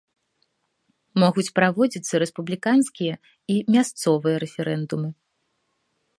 Могуць праводзіцца рэспубліканскія і мясцовыя рэферэндумы.